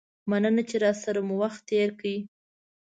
مننه چې راسره مو وخت تیر کړ.